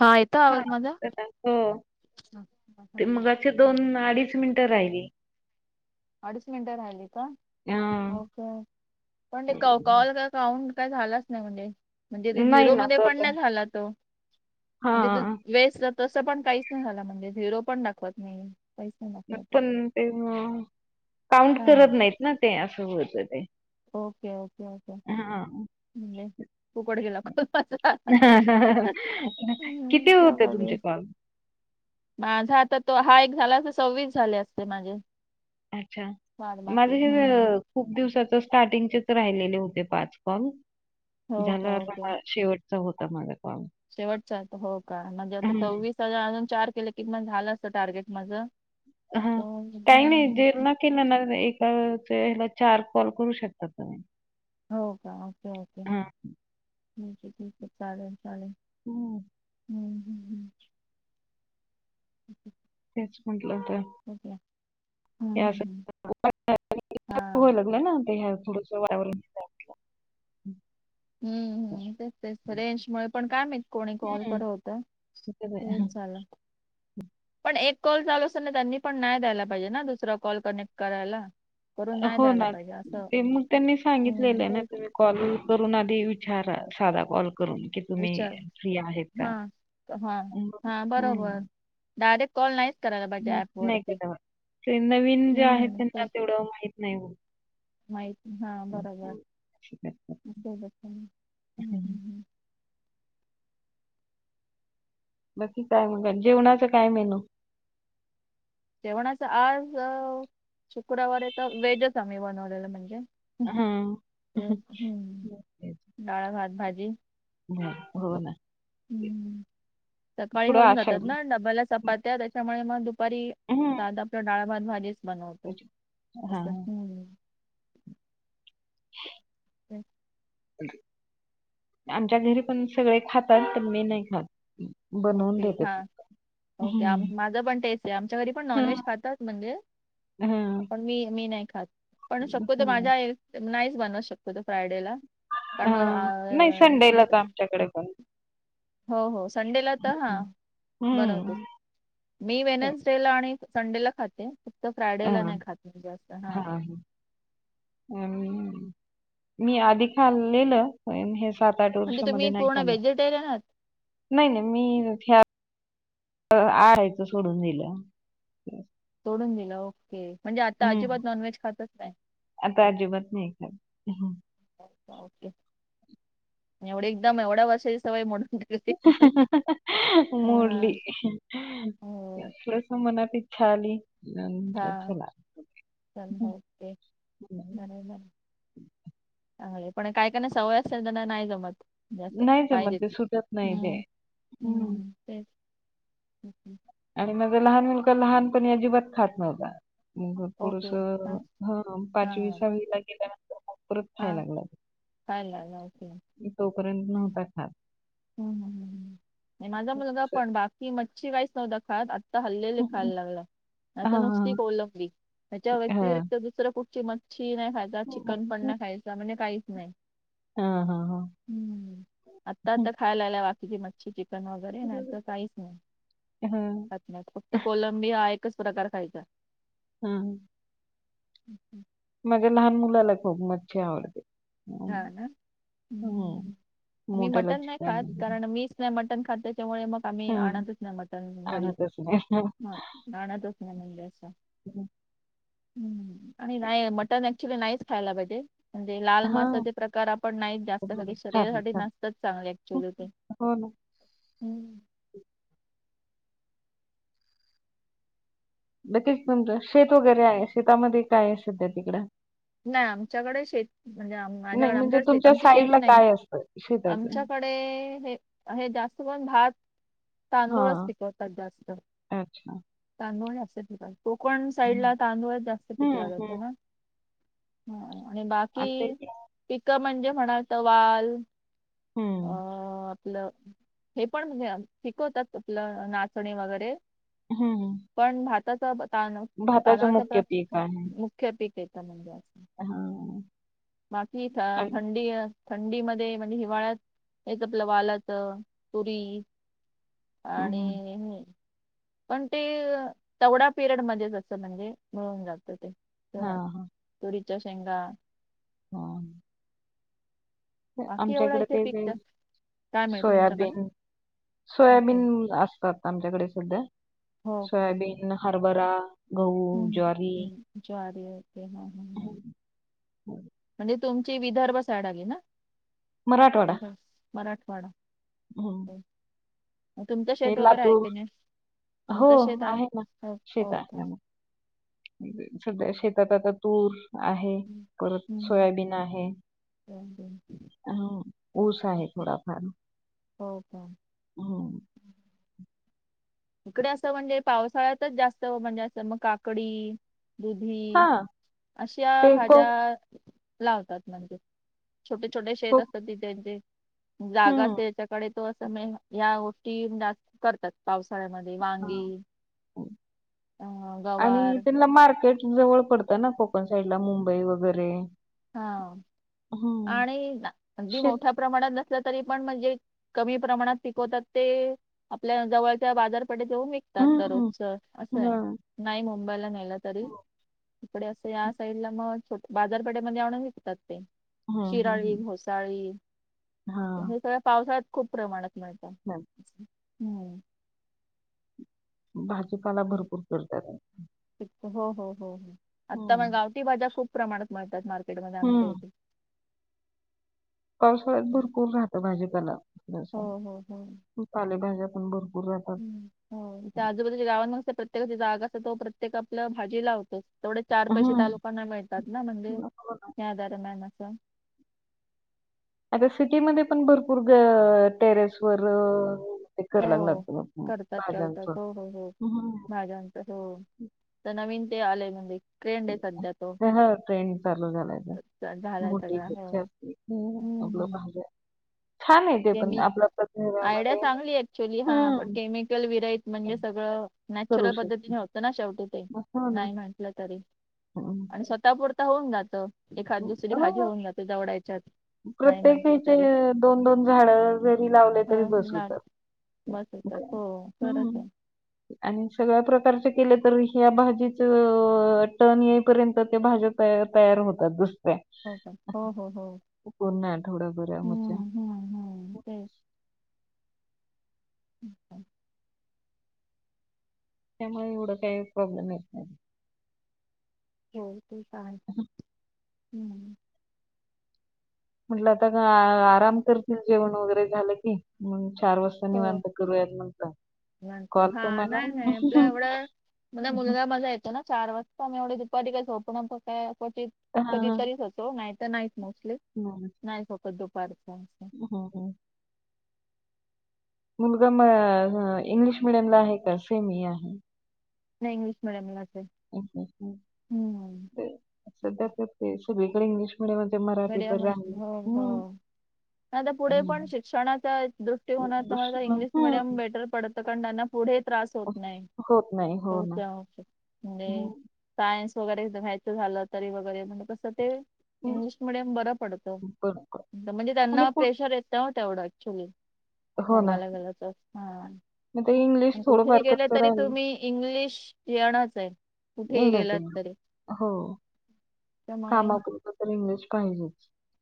हायेत हा हो, ते मगाचे दोन अडीच मिनिट राहिले. अडीच मिनट राहिले का? हां. ओके. पण ते कॉल क काऊंट काय झालाच नाही म्हणजे. म्हणजे नाही झिरो ना मध्ये तो पण आता नाही झाला तो. म्हणजे हां. तीथ वेस्ट, तस पण काहीच नाही झाला. म्हणजे झिरो पण दाखवत नाहीये. पण ते मग, काउंट काय करत माहिती नाहीत ना ते. अस होत ते. Okay okay okay. हां. म्हणजे फुकट गेला कॉल माझा. किती आता होते बघूया. तुमचे [inaudible] माझा आता तो, हा एक झाला असता सव्वीस झाले असते माझे. अच्छा, वाट माझ बाकी हे हम्म खूप दिवसाच स्टार्टिंगचेच राहिलेले होते पाच कॉल. हो झाल का आता शेवट चा, होता माझा कॉल. शेवटच होता. हो का, म्हणजे आता हं. सव्वीस अस अजून चार केले कि म झाल असत टार्गेट माझ. अस [unintelligible] एकाचे ह्याला चार कॉल करू शकता तुम्ही. हो का, ओके ओके. हां. ठीक आहे. ठीक आहे. चालेल चालेल. हम्म हम्म हम्म हम्म [inaudible] तेच म्हटल आता ओके हम्म, हम्म, [unintelligible] हम्म. हा वाऱ्या वरून हम्म हम्म, तेच तेच. रेंज मुळे पण काय माहित कोणी कॉल हम्म करत होत. तसं आहे. तेच झाल. पण, एक कॉल चालू असतांना त्यांनी पण नाही द्यायला पाहिजे ना दुसरा कॉल कनेक्ट करायला. करून नाही हो द्यायला ना, पाहिजे असं ते मग त्यांनी सांगितलेल हम्म, आहे ना तेच तुम्ही कॉल करून आधी विचारा. साधा कॉल करून कि तुम्ही विचार फ्री आहेत का. हां हां हां बरोबर हम्म डायरेक्ट कॉल नाहीच करायला पाहिजे नाही ॲपवरती केला. त्या नवीन जे आहे हम्म, त्यांना तेच तेवढ माहित नाही हो. माहित, हा बरोबर. असं करतात. मग सोबत कोणी हम्म हम्म हम्म बाकी काय मग. जेवणाच काय मेनू. जेवणाचं आज शुक्रवार तर व्हेजच आम्ही बनवलेलं म्हणजे हा हम्म डाळ, भात, भाजी हो ना हम्म सकाळी थोडं होऊन आशा जातात ना, डब्याला च पात्या त्यांच्यामुळे मग दुपारी हम्म आता आपलं डाळ भात भाजीच बनवतो, मस्त हा हम्म [unintelligible] हम्म आमच्या घरी पण सगळे खातात, पण मी नाही खात बनवून ओके, देतेत हां. ओके आ माझं पण तेच आहे, आमच्या घरी पण हं, नॉनव्हेज खातात म्हणजे हं, पण मी मी नाही खात, पण हं, शक्यतो माझ्या, नाहीच बनव शक्यतो फ्रायडे ला. [unintelligible] कडे पण हो हो संडेला तर हा, हं, बनवतोच हं. मी वेनन्स डे ला आणि संडेला खाते फक्त फ्रायडेला हं, नाही खात, जास्त हां आणि मी आधी खाल्लेलं सात आठ म्हणजे वर्षांमध्ये तुम्ही नाही पूर्ण खाल्लं व्हेजिटेरियन आहात? नाही नाही, मी आळायचं सोडून दिेलं. सोडून दिलं ओके म्हणजे आता हं, अजिबात नॉनव्हेज खायचं नाही. आता अजिबात नाही. खात ओके एवढे एकदम एवढ्या वर्षाची सवय मो मोडली. हा होय थोडंसं मनात इच्छा आली. म्हटलं हां चला. चल ओके बरोबर पण काय काय सवय असते त्यांना नाही जमतं जसं नाही जमत पाहिजेच ते सुटत नाही ते. हम्म हं. हम्म तेच आणि माझा लहान मुलगा लहानपणी अजिबात खातं नव्हता. मग ओके. थोडंसं हां. हं पाचवी सहावीला गेल्यानंतर मग परत हा खायला काय मी तोपर्यंत नव्हता खात हम्म माझा मुलगा असं. पण बाकी मच्छी काहीच नव्हतं खात आ आता हल्ली हल्ली खायला लागला आता हां, नुसती हां, कोलंबी ह्यांच्या हां. व्यतिरिक्त दुसरं कुठची मच्छी ची नाही खायचा चिकन पण, हां. नाही खायचा म्हणजे काहीच नाही. हा हा हम्म आता आता खायला लागलाय बाकीची मच्छी चिकन वगैरे नाही तर काहीच नाही. हां, आ फक्त कोलंबिया हा एकच प्रकार खायचा. हम्म हम्म हम्म माझ्या लहान मुलाला खूप मच्छी आवड. ते हां ना आम्ही मोठ्याला मटण नाही, चिकन खात कारण मी नाही मटण खातं त्यामुळे मग आम्ही हं, आणतच नाही मटण घरी आणतच नाही. हां आणातच नाही म्हणजे असं हम्म आणि मटण ऍक्च्युली नाहीच खायला पाहिजे, म्हणजे लाल मा हां. प्रकार आपण नाही जास्त हवे. खातात, शरीरासाठी खातात. नसतच चांगले ऍक्च्युली ते. हो ना. हम्म. [unintelligible] शेत वगैरे आहे. शेतामधे काय आहे सध्या तिकडं? नाय, आमच्याकडे शेत म्हणजे आम नाही माझ्याकड म्हणजे आमच्याकड शेत तुमच्या आमची शेती साईडला नाही. काय असतं शेताचं? आमच्याकड डे हे हे जास्तकरून भात तांदूळच हां. पिकवतात जास्त, अच्छा. तांदूळ जास्त पिकवतात. कोकण साईड हं. ला तांदूळच जास्त पिकला हं, जातो हं. ना. ह आणि बाकी, आमच्या इथे पिकं म्हणजे म्हणाल त वाल अ, हम्म. आपलं हे पण म्हणजे पिकवतात आपलं नाचणी वगैरे हं. पण भाताच तान भाताचं तादळाचा प्र मुख्य पीक मुख्य पिक येतं म्हणजे [unintelligible] हा. माकीठी थ थंडीय थंडीमधे म्हणजे हिवाळ्यात हेच आपलं वालाच, तुरी आणि हं. हे पण ते तेवडा पिरियड मध्येचं असत, म्हणजे मिळून जात ते हां, तेव्हाच. हां, तुरीच्या शेंगा हम. बाकी एवढा आमच्याकड इथे पीक जास्त [unintelligible] काय मिळतं तुमच्याकडे? सोयाबीन ओके सोयाबीन असत आमच्याकडे सध्या. हो सोयाबीन, हरभरा गहू, हू ज्वारी हू हू ज्वारी येते हा. हा. [inaudible] म्हणजे तुमची विदर्भ साईड आली ना? [unintelligible] मराठवाडा. हम्. हम्म. तुमचं शेत वगैरे आहे की नाय? हो तुमचं शेत आहे, ना हो शेत हो आहे ना [unintelligible] सध्या शेतात आता तूर आहे, हम्म परत हम्म. सोयाबीन आहे. दोन, दोन, हम् तीन. ऊस आहे थोडाफार हो का हम्. इकडे असं म्हणजे पावसाळ्यातच जास्त, म्हणजे असं मग काकडी दुधी हा अशा ते भाज्या कोक लावतात म्हणजे. छोटे छोटे, शेत कोक असतात ती त्यांचे जागा हम्म असेल तर हिकडे तो अस मेन हया गोष्टी जास्त करतात पाऊस फळामध्ये वा ह आणि गवार त्यांना मार्केट जवळ पड तना कोकण साईड ला मुंबई वगैरे हा हम्म आणि अगदी शेत मोठ्या प्रमाणात नसलं तरी पण म्हणजे कमी प्रमाणात पिकवतात ते, आपल्या जवळच्या बाजारपेठेत जाऊन विक तात हम्म दररोजच, असं आहे. हम्म नाही मुंबईला नेल तरी, हम्म इकडे असं या साईडला मग छोट बाजार इकडे म्हणजे आणून विकतात ते. हम्म शीराळी, हम्म. घोसाळी हा हे सगळ पावसाळ्यात खूप प्रमाणात मिळत. हम्. हम्म. भाजीपाला भरपूर करता काय? हो हो हो आता हम्म पण गावठी भाज्या खूप प्रमाणात मिळतात मार् मार्केटमध्ये आमच्या हम्म इथे, पावसाळ्यात भरपूर राहतं भाजीपला हो तशा, हो हो पालेभाज्या पण भरपूर राहतात. हो इथे आजूबाजूच्या गावांना कस प्रत्येकाची जागा असतो प्रत्येक आपलं भाजी लावतोच. तेवढे चार पैसे त्या हं, लोकांना मिळतात ना, म्हणजे हो ना. त्या दरम्यान असं आता सिटीमध्ये पण भरपूर टेरेस वर हो करतात [unintelligible] तर हो तर नवीन ते आलंय म्हणजे, ट्रेंड आहे सध्या तो हा ट्रेन चालू झालाय तर च- झालाय मोठी सगळा हो इच्छा असते. हम् [inaudible] केम आयडिया चांगली ऍक्च्युली हा पण हं, केमिकल विरईत ते म्हणजे सगळं नॅचरल करू शकतो. पद्धतीने होत ना शेवटी ते, हो ना. नाही म्हण चूकलं तरी हं, आणि स्वतः पुुरता होऊन जातं. एखाद दुसरी भाजी हो, होऊन जाते. तेवढ्या येच्यात नाही म्हटलं तरी, दोन दोन झाड जरी लावले हा तरी बस लाडू होतात. बस होतात हो खरंच हम आहे [inaudible] आणि सगळ्या प्रकारचे केले तर ह्या भाजीच टर्न येईपर्यंत त्या भाज्या तवर तयार होतात दुसऱ्या, हो का हो हो हो पूर्ण आठवडाभरामध्ये हम्म हम्म हम्म तेच [inaudible] त्यामुळे एवढं काय प्रॉब्लेम येत नाही. हो तू का हम्म म्हटलं आता काय आराम करतील जेवण वगैरे झालं की, मग चार वाजता मग हो निवंत करूया म्हटलं, नंतर काॅल तुम्हाला माझा मुलगा मजेत चार वाजता आम्ही एवढं दुपारी काय झोपणं पण काय हा कधी हा तरीच होतो नाही तर तर नाही मोस्टली हम्म नाही झोपत दुपारच असं, हम्म हम्म मुलगा म इंग्लिश मिडियमला आहे. का सेमी आहे नाही इंग्लिश मिडीयमलाच आहे. हम्म अच्छा-अच्छा सध्यातेच आहे सगळीकडे इंग्लिश पुढे म्हणजे मराठी तर मिडियमच राहिलं हो हो हम्म आता पुढे पण शिक्षणाच्या दृष्टी कोनात दुसरं इंग्लिश मिडियम हं. बेटर पडतं कारण त्यांना पुढे त्रास होत नाही. होत नाही हो ना, पुढच्या वर्षी. म्हणजे हो. सायन्स वगैरे घ्यायचं झालं, तरी वगैरे म्हणजे कस ते इंग्लिश ते बरं पडत बरोबर म्हणजे आणि त्यांना पुढ प्रेशर येत तेवढंच कमी हो ना. बघायला गेलं तर मग ते इंग्लिश हा कुठेही थोडंफार गेलं कच्चं तरी राहिलं तुम्ही इंग्लिश येणच आहे. कुठेही येणच ये गेलात तरी हो त्यामुळे कामापुरता तर इंग्लिश पाहिजे.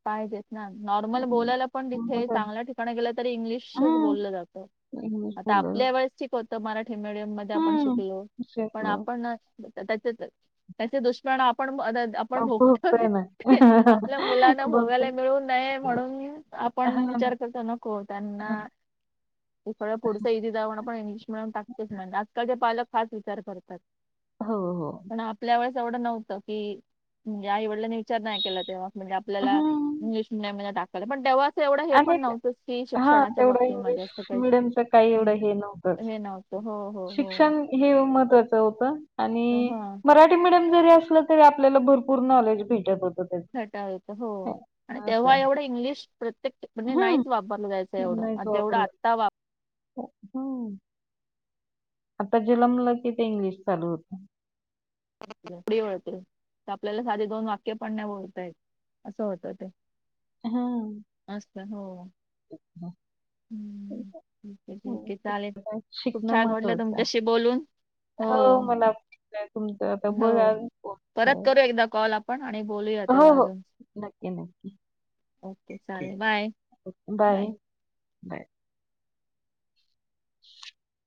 पाहिजेच ना नॉर्मल बोलायला पण समजा तिथे काय? चांगल्या ठिकाणी गेलं तरी इंग्लिशच हं. बोललं जातं. इंग्लिश आता बोल ओ आपल्या वेळेस ठीक मराठी मिडियममध्ये आपण शिकलो, पण शिकलो. आपणच त्या त्याचे दुश्मन परिणाम आपण अ, आपण भोगतोय बघतोय ना. आपल्या मुलां ना बघतोय. भोगायला मिळू नये, म्हणून आपण हां ना. विचार करतो नको त्यांना [inaudible] ते सगळं पुढचं इझी जावं, आपण इंग्लिश मिडियम टाकतेच [unintelligible] आजकालचे पालक फार विचार करतात. हो हो. पण आपल्या वेळेस एवढं नव्हतं की, म्हणजे आई वडिलांनी विचार नाही केला तेव्हा, म्हणजे आपल्याला हं. इंग्लिश मिडियममध्ये टाकायल, पण तेव्हा एवढं हे आणि पण नव्हतं की हां, शिक्षणाच्या तेवढं बाबतीमध्ये इंग्लिश असं काही मीडियमचं काही हम्म एवढं हे नव्हतंच. हे नव्ह तं हो हो हो. शिक्षण हे महत्त्वाचं होतं आणि हा मरा ठी मीडियम जरी असलं, तरी आपल्याला भरपूर नॉलेज भेटतं होतं. भेटत होतं हो आणि त्याचं असं तेव्हा एवढं इंग्लिश प्रत्येक म्हणजे हम्म. नाहीच वापरलं जायचं एवढं, जेवढं आता वापर हो हम्म. आता जन्मलं की ते इंग्लिश चालू होतंय. बोबडी वळते. आपल्याला साधे दोन वाक्य पण नाही बोलता येत असं होतं ते. असतं हो. हम्म. ठीक आहे ठीक आहे चालेल [inaudible] खूप शिकणं छान वाटलं महत्वाचं आहे. तुमच्याशी बोलून हो मला पटतंय तुमचं आता बघा हो [unintelligible] परत करू एकदा कॉल आपण आणि बोलूया हो तेव्हा हो आजुन. नक्की नक्की ओके चालेल बाय. बाय. बाय. [inaudible]